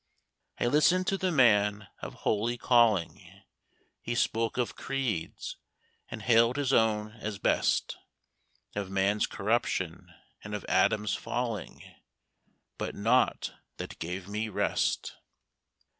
I listened to the man of holy calling, He spoke of creeds, and hailed his own as best; Of man's corruption and of Adam's falling, But naught that gave me rest.